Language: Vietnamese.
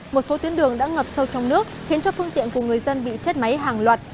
một số tuyến đường đã ngập sâu trong nước khiến cho phương tiện của người dân bị chết máy hàng loạt